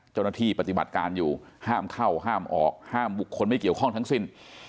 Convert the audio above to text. ปฏิบัติการอยู่ห้ามเข้าห้ามออกห้ามบุคคลไม่เกี่ยวข้องทั้งสิ้น